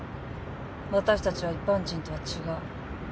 私たちは一般人とは違う。